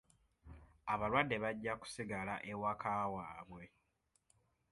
Abalwadde bajja kusigala ewaka waabwe.